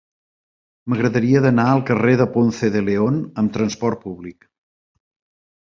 M'agradaria anar al carrer de Ponce de León amb trasport públic.